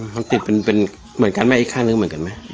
มันติดเป็นเหมือนกันไหมอีกข้างหนึ่งเหมือนกันไหม